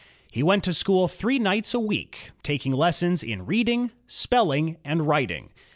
He went to school three nights a week, taking lessons in reading, spelling, and writing.